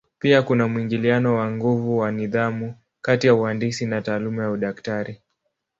Pia kuna mwingiliano wa nguvu wa nidhamu kati ya uhandisi na taaluma ya udaktari.